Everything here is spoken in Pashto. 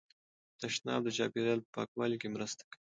تشناب د چاپیریال په پاکوالي کې مرسته کوي.